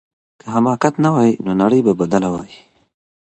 که حماقت نه وای نو نړۍ به بدله وای.